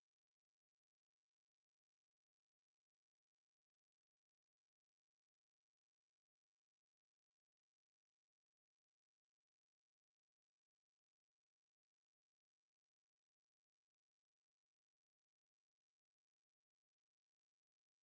สวัสดีครับสวัสดีครับสวัสดีครับ